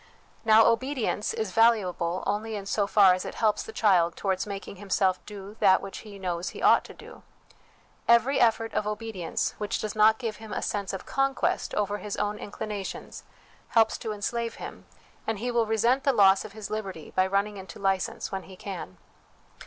Now, obedience is valuable only in so far as it helps the child towards making himself do that which he knows he ought to do. Every effort of obedience which does not give him a sense of conquest over his own inclinations, helps to enslave him, and he will resent the loss of his liberty by running into license when he can.